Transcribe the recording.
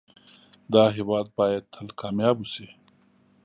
دا هيواد بايد تل کامیاب اوسی